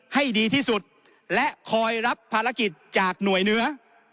ให้ดีที่สุดและคอยรับภารกิจจากหน่วยเหนือ